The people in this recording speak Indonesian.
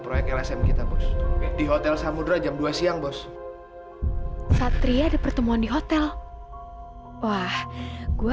proyek lsm kita bos di hotel samudera jam dua siang bos satria ada pertemuan di hotel wah gue